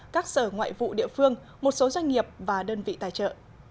các sở ngoại vụ địa phương một số doanh nghiệp và đơn vị tài trợ